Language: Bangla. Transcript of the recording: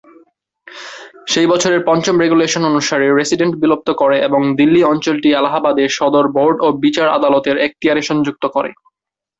সেই বছরের পঞ্চম রেগুলেশন অনুসারে রেসিডেন্ট বিলুপ্ত করে এবং দিল্লি অঞ্চলটি এলাহাবাদে সদর বোর্ড ও বিচার আদালতের এখতিয়ারে সংযুক্ত করে।